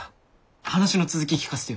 話の続き聞かせてよ。